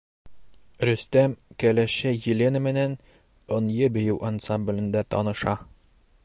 Рөстәм кәләше Елена менән «Ынйы» бейеү ансамблендә таныша.